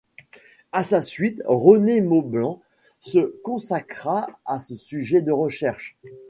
À sa suite, René Maublanc se consacra à ce sujet de recherches.